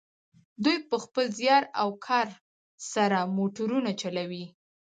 دوی په خپل زیار او کار سره موټرونه جوړوي.